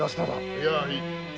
いやいい。